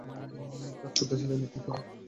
কাজ করতে চাইলে ক্লিক করুন।